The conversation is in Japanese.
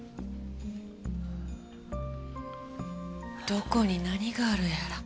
どこに何があるやら。